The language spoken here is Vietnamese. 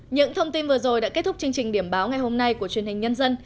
những thông tin vừa rồi đã kết thúc chương trình điểm báo ngày hôm nay của truyền hình nhân dân